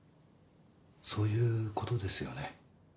そういうことですよね？